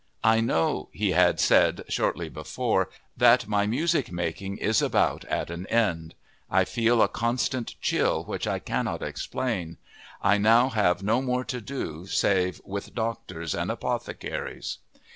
"I know," he had said shortly before, "that my music making is about at an end. I feel a constant chill which I cannot explain. I now have no more to do save with doctors and apothecaries!"